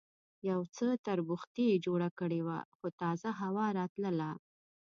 یو څه تربوختي یې جوړه کړې وه، خو تازه هوا راتلله.